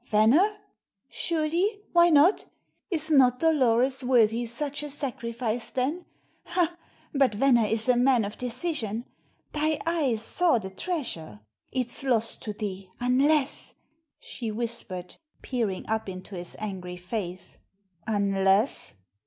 Venner?" "Surely. Why not? Is not Dolores worthy such a sacrifice then? Hah, but Venner is a man of decision. Thy eyes saw the treasure? It's lost to thee unless " she whispered, peering up into his angry face. "Unless?"